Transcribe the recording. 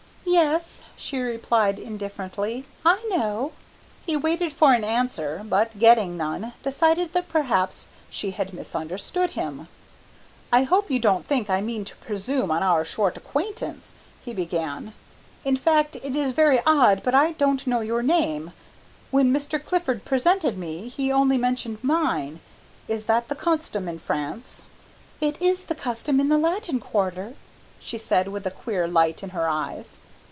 "Yes," she replied indifferently, "I know." He waited for an answer, but getting none, decided that perhaps she had misunderstood him. "I hope you don't think I mean to presume on our short acquaintance," he began, "in fact it is very odd but I don't know your name. When Mr. Clifford presented me he only mentioned mine. Is that the custom in France?" "It is the custom in the Latin Quarter," she said with a queer light in her eyes.